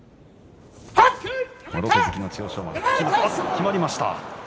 きまりました。